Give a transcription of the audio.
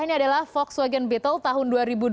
ini adalah volkswagen beetle tahun dua ribu dua belas